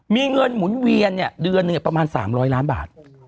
มีเงินหมุนเวียนเดือนประมาณ๓๐๐ล้านบาท